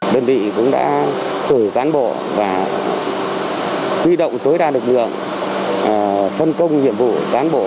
đơn vị cũng đã cử cán bộ và huy động tối đa lực lượng phân công nhiệm vụ cán bộ